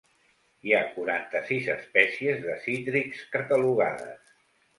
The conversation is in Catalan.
Hi ha quaranta-sis espècies de cítrics catalogades.